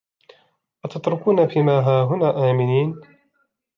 أتتركون في ما هاهنا آمنين